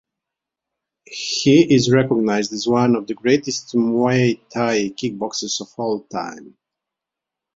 He is recognized as one of the greatest Muay Thai kickboxers of all time.